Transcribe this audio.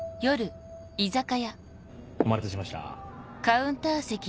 お待たせしました。